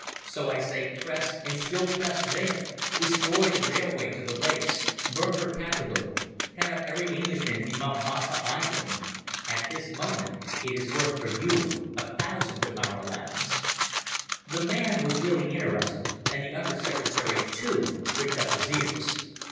So I say press and still press there, destroy the railway to the Lakes, burn her capital, pen up every Englishman in Mombasa island. At this moment it is worth for you a thousand Damaralands." The man was really interested and the Under Secretary, too, pricked up his ears.